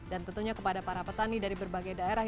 dan tentunya kepada para petani dari berbagai daerah